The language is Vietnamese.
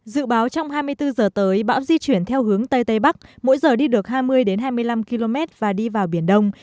dự báo trong hai mươi bốn giờ tới bão di chuyển theo hướng tây tây bắc mỗi giờ đi được hai mươi hai mươi năm km và đi vào biển đông